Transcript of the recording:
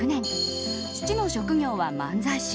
父の職業は漫才師。